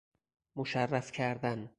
مشرف کردن